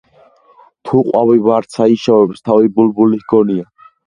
თუ ყვავი ვარდსა იშოვებს თავი ბულბული ჰგონია.